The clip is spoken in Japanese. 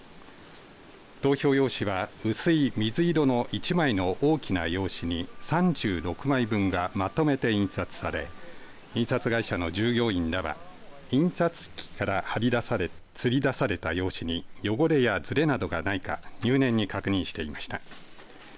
投票用紙は薄い水色の一枚の大きな用紙に３６枚分がまとめて印刷され印刷会社の従業員らは印刷機から刷りだされた用紙に汚れがないかなど入念に確認していました。